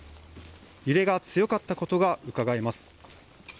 揺れが強かったことがうかがえます。